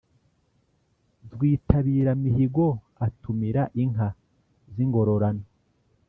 rwitabiramihigo atumira inka z’ingororano